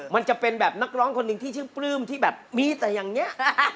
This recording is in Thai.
มันจะเป็นแบบนักร้องคนหนึ่งที่ชื่นปลื้มที่แบบมีแต่อย่างนี้